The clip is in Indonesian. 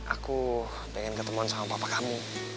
aku pengen ketemuan sama papa kamu